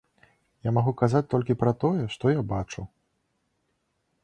Я магу казаць толькі пра тое, што я бачу.